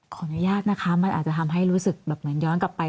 ขออนุญาตนะคะมันอาจจะทำให้รู้สึกแบบเหมือนย้อนกลับไป